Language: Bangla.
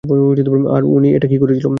আর উনি এটা করেছিল।